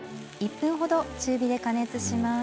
１分程、中火で加熱します。